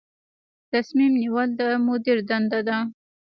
تصمیم نیول د مدیر دنده ده